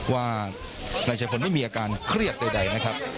ว่านายชายพลไม่มีอาการเครียดใดนะครับ